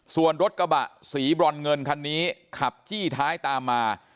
ส่วนรถกระบะสีบรอนเงินคันนี้ขับจี้ท้ายตามมา